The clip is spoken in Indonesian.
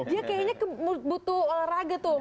dia kayaknya butuh olahraga tuh